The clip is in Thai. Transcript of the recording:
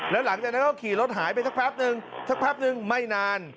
แล้วหลังจากนั้นก็ขี่รถหายไปสักแป๊บนึงสักแป๊บนึงไม่นาน